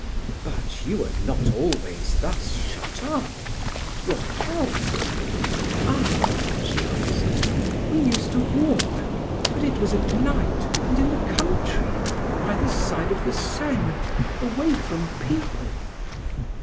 "But you were not always thus shut up? Your health...?" "Ah," she answered, "we used to walk, but it was at night and in the country, by the side of the Seine, away from people."